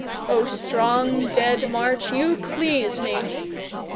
8O strong dead march, you please me!